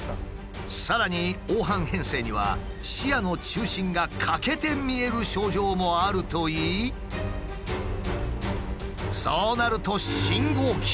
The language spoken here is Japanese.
さらに黄斑変性には視野の中心が欠けて見える症状もあるといいそうなると信号機も。